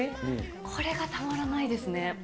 これがたまらないですね。